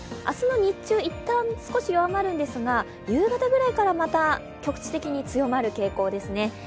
明日の日中、一旦少し弱まるんですが、夕方ぐらいからまた、局地的に強まる傾向です。